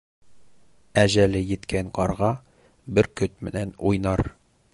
Әжәле еткән ҡарға бөркөт менән уйнар.